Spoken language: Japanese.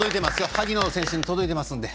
萩野選手に届いてます。